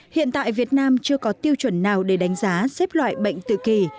hiện tại việt nam chưa có tiêu chuẩn nào để đánh giá xếp loại bệnh tự kỳ